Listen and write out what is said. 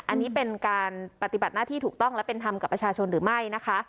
อันนี้เป็นการปฏิบัติหน้าที่ถูกต้องและเป็นธรรมกับประชาชนหรือไม่นะคะ